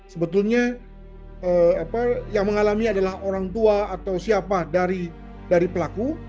sebetulnya yang mengalami adalah orang tua atau siapa dari pelaku